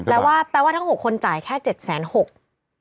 แปลว่าแปลว่าทั้ง๖คนจ่ายแค่๗๖๐๐บาท